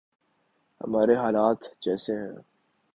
ہمارے حالات جیسے ہیں۔